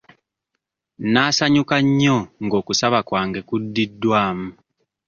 Naasanyuka nnyo nga okusaba kwange kuddiddwamu.